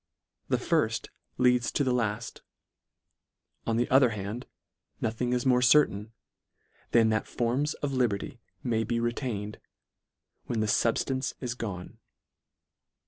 The firft leads to the laft ; on the other hand nothing is more certain, than that forms of liberty may be retained, when the fubftance is gone.